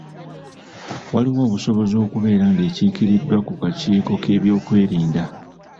Waliwo obusobozi okubeera ng’ekiikiriddwa ku kakiiko k’ebyokwerinda.